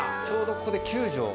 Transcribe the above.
ちょうどここで９帖。